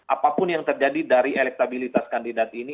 apapun yang terjadi dari elektabilitas kandidat ini